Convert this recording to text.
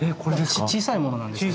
小さいものなんですけど。